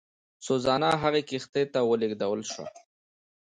سوزانا هغې کښتۍ ته ولېږدول شوه.